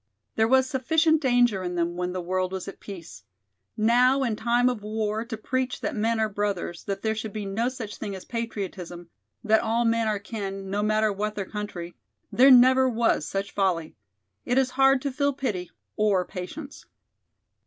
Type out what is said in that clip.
There was sufficient danger in them when the world was at peace. Now in time of war to preach that men are brothers, that there should be no such thing as patriotism, that all men are kin, no matter what their country, there never was such folly. It is hard to feel pity or patience."